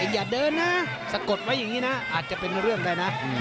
อย่าเดินนะสะกดไว้อย่างนี้นะอาจจะเป็นเรื่องได้นะ